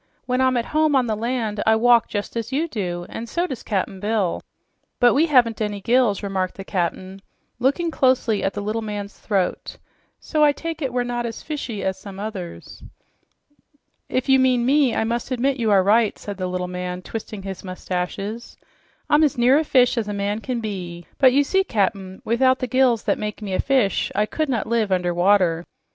When I'm at home on the land I walk just as you do, an' so does Cap'n Bill." "But we haven't any gills," remarked the Cap'n, looking closely at the little man's throat, "so I take it we're not as fishy as some others." "If you mean me, I must admit you are right," said the little man, twisting his mustache. "I'm as near a fish as a man can be. But you see, Cap'n, without the gills that make me a fish, I could not live under water."